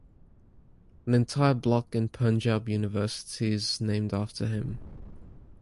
An entire block in Panjab University is named after him.